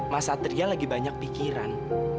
mas satria lagi banyak pikiran